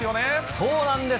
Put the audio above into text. そうなんです。